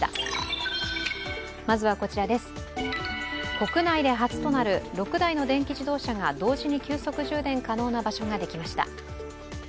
国内で初となる６台の電気自動車が同時に急速充電可能な場所ができました。